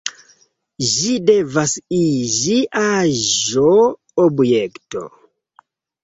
Ĝi devas iĝi aĵo, objekto.